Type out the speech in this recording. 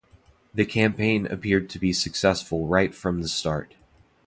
The campaign appeared to be successful right from the start.